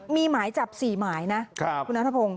มีหมายจับ๔หมายนะครับ